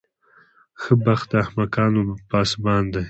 ښه بخت د احمقانو پاسبان دی.